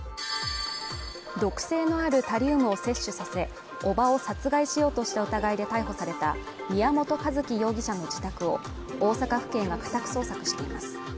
毒性のあるタリウムを摂取させ、叔母を殺害しようとした疑いで逮捕された宮本一希容疑者の自宅を大阪府警が家宅捜索しています。